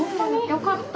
よかった。